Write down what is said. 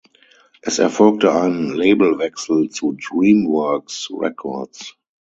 Es erfolgte ein Labelwechsel zu Dreamworks Records.